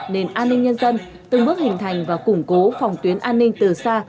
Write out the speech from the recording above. nền an ninh nhân dân từng bước hình thành và củng cố phòng tuyến an ninh từ xa